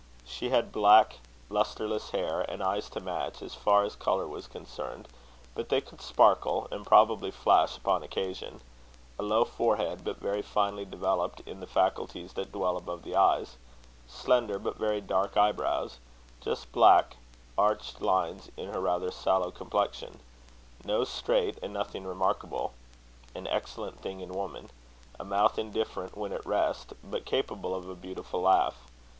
She had black, lustreless hair, and eyes to match, as far as colour was concerned but they could sparkle, and probably flash upon occasion; a low forehead, but very finely developed in the faculties that dwell above the eyes; slender but very dark eyebrows just black arched lines in her rather sallow complexion; nose straight, and nothing remarkable "an excellent thing in woman," a mouth indifferent when at rest, but capable of a beautiful laugh.